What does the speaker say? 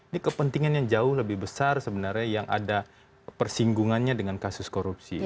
ini kepentingan yang jauh lebih besar sebenarnya yang ada persinggungannya dengan kasus korupsi